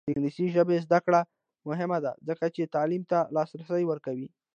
د انګلیسي ژبې زده کړه مهمه ده ځکه چې تعلیم ته لاسرسی ورکوي.